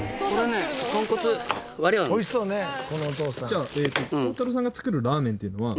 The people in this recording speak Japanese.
じゃあ耕太郎さんが作るラーメンっていうのは。